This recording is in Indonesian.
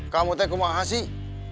kamu mau ngasih